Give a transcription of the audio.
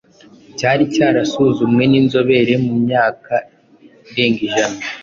cyari cyarasuzumwe ninzobere mu imyaka irenga ijana